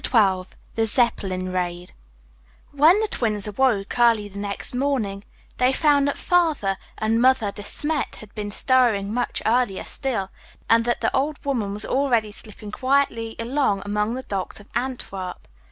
XII THE ZEPPELIN RAID When the Twins awoke, early the next morning, they found that Father and Mother De Smet had been stirring much earlier still, and that the "Old Woman" was already slipping quietly along among the docks of Antwerp.